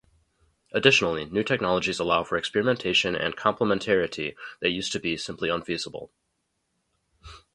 Additionally, new technologies allow for experimentation and complementarity that used to be simply unfeasible.